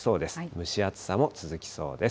蒸し暑さも続きそうです。